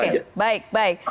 oke baik baik